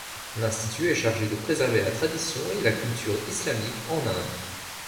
L'institut est chargé de préserver la tradition et la culture islamique en Inde.